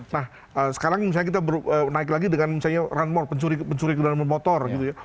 nah sekarang misalnya kita naik lagi dengan misalnya run more pencuri pencuri kendaraan bermotor gitu ya